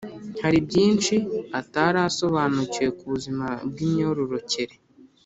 hari byinshi atari asobanukiwe ku buzima bw’imyororokere